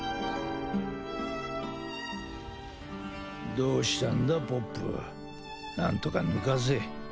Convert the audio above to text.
どうしたんだポップなんとかぬかせ。